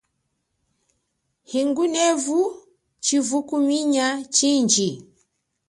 Hingunevu chivukuminya chindji.